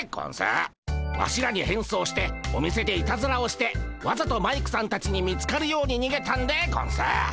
ワシらに変装してお店でいたずらをしてわざとマイクさんたちに見つかるようににげたんでゴンス。